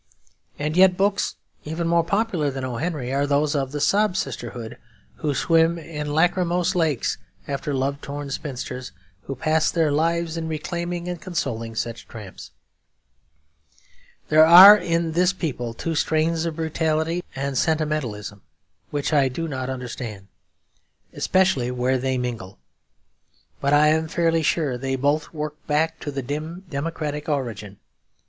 And yet books even more popular than O. Henry's are those of the 'sob sisterhood' who swim in lachrymose lakes after love lorn spinsters, who pass their lives in reclaiming and consoling such tramps. There are in this people two strains of brutality and sentimentalism which I do not understand, especially where they mingle; but I am fairly sure they both work back to the dim democratic origin.